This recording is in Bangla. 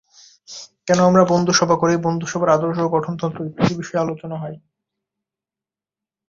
কেন আমরা বন্ধুসভা করি, বন্ধুসভার আদর্শ, গঠনতন্ত্র ইত্যাদি বিষয়ে আলোচনা হয়।